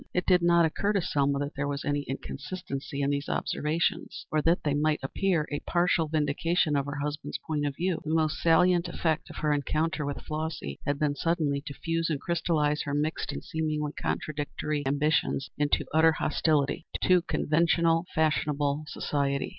It did not occur to Selma that there was any inconsistency in these observations, or that they might appear a partial vindication of her husband's point of view. The most salient effect of her encounter with Flossy had been suddenly to fuse and crystallize her mixed and seemingly contradictory ambitions into utter hostility to conventional fashionable society.